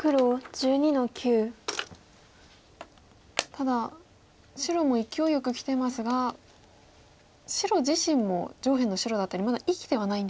ただ白もいきおいよくきてますが白自身も上辺の白だったりまだ生きてはないんですよね。